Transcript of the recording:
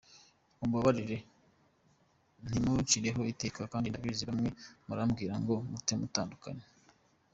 Mumbabarire ntimuncireho iteka, kandi ndabizi bamwe murambwira ngo mute, mutandukane.